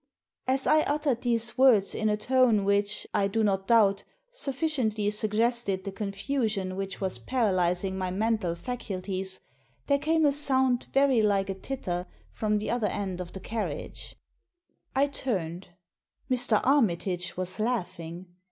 As I uttered these words in a tone which, I do not doubt, sufficiently suggested the confusion which was paralysing my mental faculties, there came a sound very like a titter from the other end of the carriage. Digitized by VjOOQIC 88 THE SEEN AND THE UNSEEN I turned. Mr. Armitage was laughing.